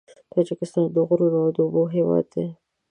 تاجکستان د غرونو او اوبو هېواد دی.